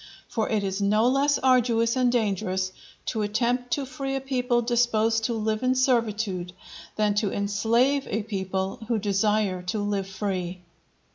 For it is no less arduous and dangerous to attempt to free a people disposed to live in servitude, than to enslave a people who desire to live free.